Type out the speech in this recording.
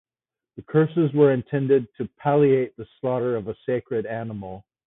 The curses were intended to palliate the slaughter of a sacred animal.